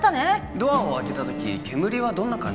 ドアを開けた時煙はどんな感じ？